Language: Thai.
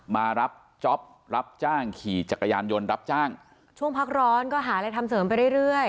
มารับจ๊อปรับจ้างขี่จักรยานยนต์รับจ้างช่วงพักร้อนก็หาอะไรทำเสริมไปเรื่อยเรื่อย